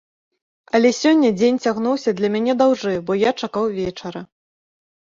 Але сёння дзень цягнуўся для мяне даўжэй, бо я чакаў вечара.